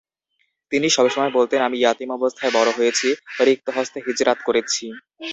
তিনি সবসময় বলতেন, আমি ইয়াতীম অবস্থায় বড় হয়েছি, রিক্ত হস্তে হিজরাত করেছি।